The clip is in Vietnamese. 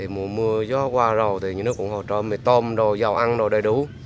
mùa mưa gió qua rồi thì nước cũng hồ trộm mì tôm rồi dầu ăn rồi đầy đủ